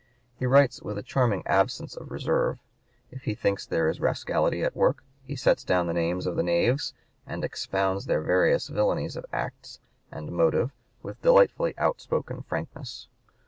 He writes with a charming absence of reserve. If he thinks there is rascality at work, he sets down the names of the knaves and expounds their various villainies of act and motive with delightfully outspoken frankness.